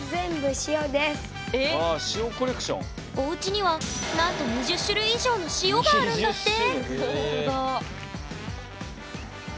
おうちにはなんと２０種類以上の「塩」があるんだって！